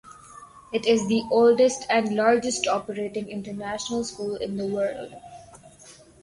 It is the oldest and largest operating international school in the world.